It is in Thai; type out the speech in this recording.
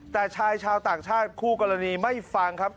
แต่ชายชาวต่างชาติคู่กรณีไม่ฟังครับ